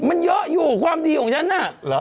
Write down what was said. มันเยอะอยู่ความดีของฉันน่ะ